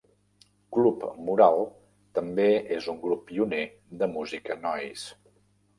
Club Moral també és un grup pioner de música Noise.